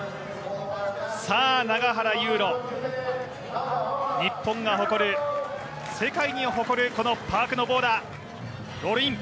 永原悠路、日本が誇る、世界に誇るパークのボーダー。